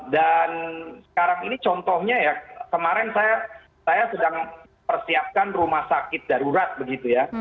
dan sekarang ini contohnya ya kemarin saya sedang persiapkan rumah sakit darurat begitu ya